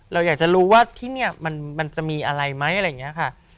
เราอยากจะรู้ว่าที่นี่มันจะมีอะไรไหมอะไรอย่างนี้ค่ะ